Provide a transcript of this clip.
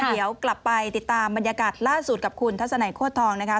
เดี๋ยวกลับไปติดตามบรรยากาศล่าสุดกับคุณทัศนัยโคตรทองนะคะ